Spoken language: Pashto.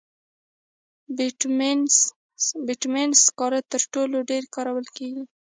بټومینس سکاره تر ټولو ډېر کارول کېږي.